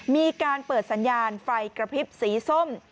มีการเปิดสัญญาณไฟกระพริบสีส้ม